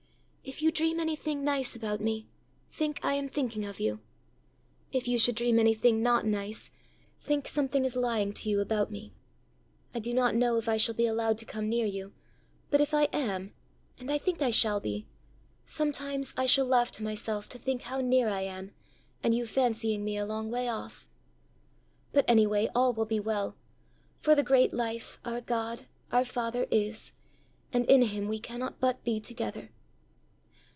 "If you dream anything nice about me, think I am thinking of you. If you should dream anything not nice, think something is lying to you about me. I do not know if I shall be allowed to come near you, but if I am and I think I shall be sometimes, I shall laugh to myself to think how near I am, and you fancying me a long way off! But any way all will be well, for the great life, our God, our father, is, and in him we cannot but be together."